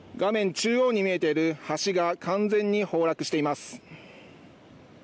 中央に見えている橋が完全に崩落しています。